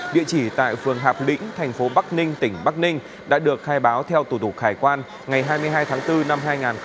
địa chỉ tại phường hạp lĩnh thành phố bắc ninh tỉnh bắc ninh đã được khai báo theo tủ tục khải quan ngày hai mươi hai tháng bốn năm hai nghìn hai mươi